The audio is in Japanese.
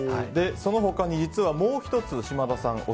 その他に実はもう１つ島田さん